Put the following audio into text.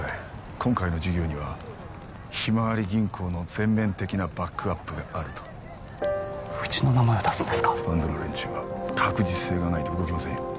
今回の事業にはひまわり銀行の全面的なバックアップがあるとうちの名前を出すんですかファンドの連中は確実性がないと動きませんよ